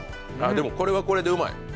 でも、これはこれでうまい。